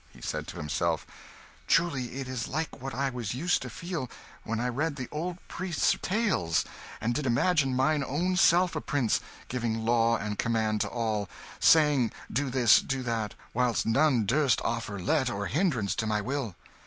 He said to himself, "Truly it is like what I was used to feel when I read the old priest's tales, and did imagine mine own self a prince, giving law and command to all, saying 'Do this, do that,' whilst none durst offer let or hindrance to my will."